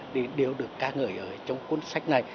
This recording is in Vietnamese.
thì đều được ca ngợi ở trong cuốn sách này